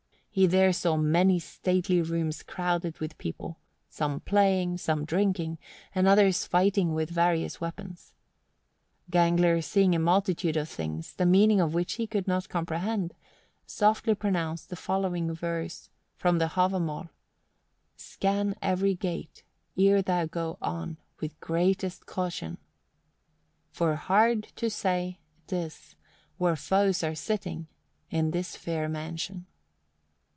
He there saw many stately rooms crowded with people, some playing, some drinking, and others fighting with various weapons. Gangler, seeing a multitude of things, the meaning of which he could not comprehend, softly pronounced the following verse (from the Havamal, st. i.): "Scan every gate Ere thou go on, With greatest caution; For hard to say 'tis Where foes are sitting In this fair mansion."